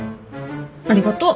ありがとう。